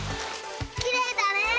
きれいだね！